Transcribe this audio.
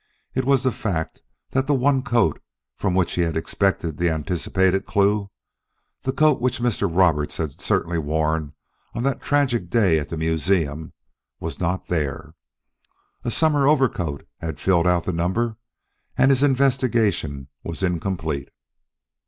It was the fact that the one coat from which he had expected the anticipated clue the coat which Mr. Roberts had certainly worn on that tragic day at the museum was not there. A summer overcoat had filled out the number, and his investigation was incomplete.